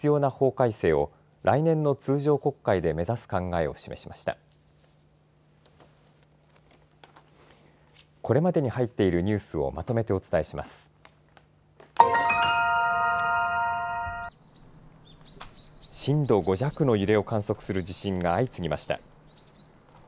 震度５弱の揺れを観測する地震が相次ぎました。